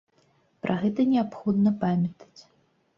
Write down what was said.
Пра гэта неабходна памятаць.